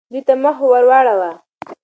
دوی ته مخ ورواړوه.